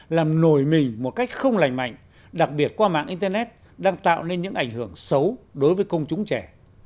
làm nổi mình một cách không lành mạnh đặc biệt qua mạng internet đang tạo nên những ảnh hưởng xấu đối với công chúng trẻ